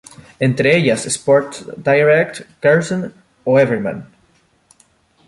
Entre ellas Sports Direct, Curzon o Everyman.